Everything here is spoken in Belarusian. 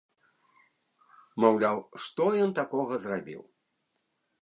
Маўляў, што ён такога зрабіў?